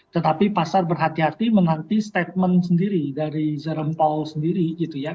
tetapi pasar berhati hati menanti statement sendiri dari jerem paul sendiri gitu ya